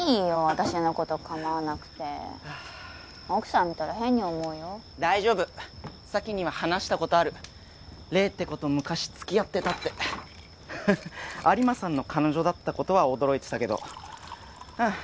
私のこと構わなくて奥さん見たら変に思うよ大丈夫早希には話したことある黎って子と昔付き合ってたって有馬さんの彼女だったことは驚いてたけどうん